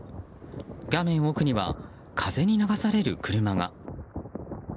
画面奥には風に流される車が。